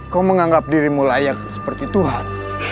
kau menganggap dirimu layak seperti tuhan